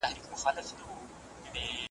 د خلګو له پيغورونو څخه مه ويريږئ.